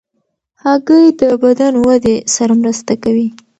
هګۍ د بدن ودې سره مرسته کوي.